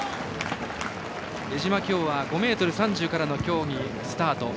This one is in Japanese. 江島、きょうは５ｍ３０からの競技スタート。